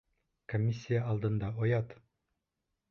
Комиссия алдында оят!